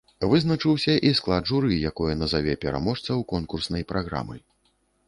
Вызначыўся і склад журы, якое назаве пераможцаў конкурснай праграмы.